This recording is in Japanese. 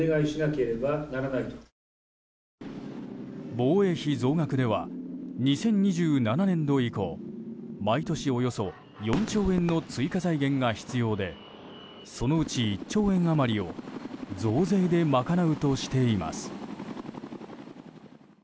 防衛費増額では２０２７年度以降毎年およそ４兆円の追加財源が必要でそのうち１兆円余りを増税で賄うとしています。